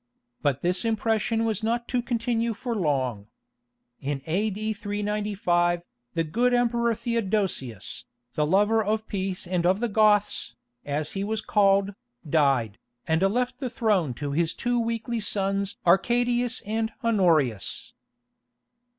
" But this impression was not to continue for long. In A.D. 395, the good Emperor Theodosius, "the lover of peace and of the Goths," as he was called, died, and left the throne to his two weakly sons Arcadius and Honorius.